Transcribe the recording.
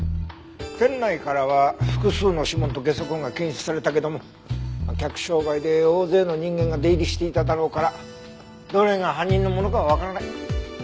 店内からは複数の指紋とゲソ痕が検出がされたけども客商売で大勢の人間が出入りしていただろうからどれが犯人のものかはわからない。